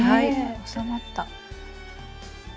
収まった。